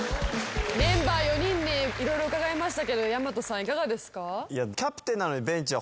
メンバー４人に色々伺いましたけどやまとさんいかがですか？